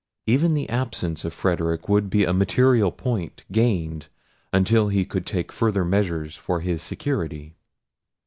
Even the absence of Frederic would be a material point gained, until he could take further measures for his security.